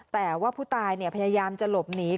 แต่ว่าผู้ตายพยายามจะหลบหนี